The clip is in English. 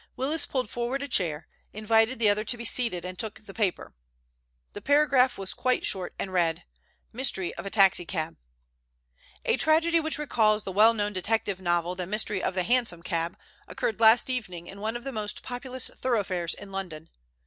Willis pulled forward a chair, invited the other to be seated, and took the paper. The paragraph was quite short, and read: "MYSTERY OF A TAXI CAB "A tragedy which recalls the well known detective novel The Mystery of the Hansom Cab occurred last evening in one of the most populous thoroughfares in London.